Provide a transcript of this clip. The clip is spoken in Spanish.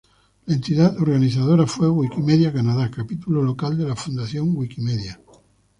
La entidad organizadora fue Wikimedia Canadá, capítulo local de la Fundación Wikimedia.